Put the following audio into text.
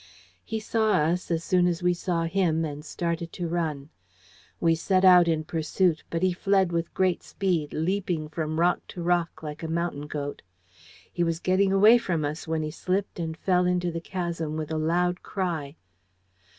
He saw us as soon as we saw him, and started to run. We set out in pursuit, but he fled with great speed, leaping from rock to rock like a mountain goat. He was getting away from us when he slipped and fell into the chasm with a loud cry.